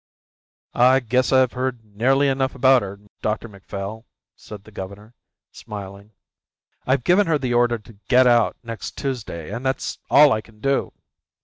"I guess I've heard nearly enough about her, Dr Macphail," said the governor, smiling. "I've given her the order to get out next Tuesday and that's all I can do."